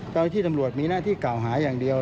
เจ้าหน้าที่ตำรวจมีหน้าที่กล่าวหาอย่างเดียว